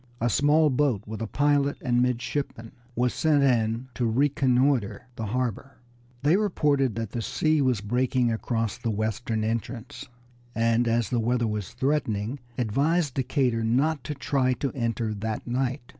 A small boat with a pilot and midshipman was sent in to reconnoiter the harbor. They reported that the sea was breaking across the western entrance, and as the weather was threatening advised Decatur not to try to enter that night.